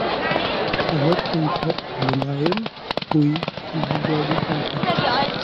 अमर सिंह पर 'मुलायम' हुई समाजवादी पार्टी